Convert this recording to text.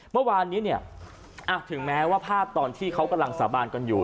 เมื่อวานนี้เนี่ยถึงแม้ว่าภาพตอนที่เขากำลังสาบานกันอยู่